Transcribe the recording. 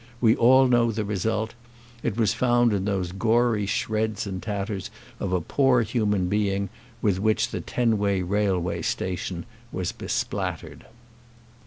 We all know the result. It was found in those gory shreds and tatters of a poor human being with which the Tenway Railway Station was bespattered."